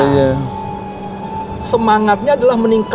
nah semangatnya adalah meningkatkan